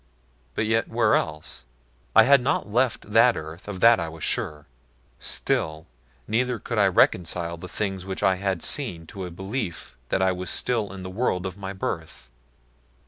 But yet where else? I had not left that earth of that I was sure. Still neither could I reconcile the things which I had seen to a belief that I was still in the world of my birth.